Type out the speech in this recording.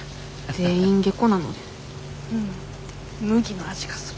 全員下戸なので麦の味がする。